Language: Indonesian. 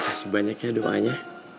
kasih banyaknya doanya